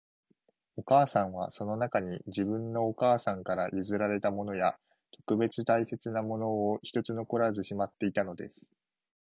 お母さんは、その中に、自分のお母さんから譲られたものや、特別大切なものを一つ残らずしまっていたのです